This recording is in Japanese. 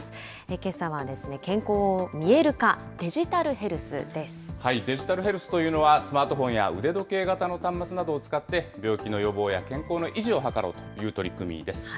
けさは健康を見える化、デジタルデジタルヘルスというのはスマートフォンや腕時計型の端末などを使って、病気の予防や健康の維持を図ろうという取り組みです。